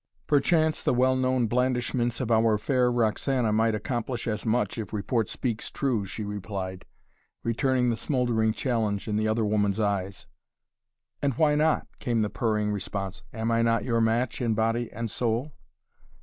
"Perchance the well known blandishments of our fair Roxana might accomplish as much, if report speaks true," she replied, returning the smouldering challenge in the other woman's eyes. "And why not?" came the purring response. "Am I not your match in body and soul?"